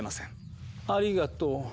ありがとう。